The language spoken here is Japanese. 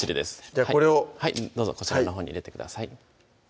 じゃあこれをこちらのほうに入れてください